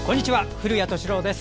古谷敏郎です。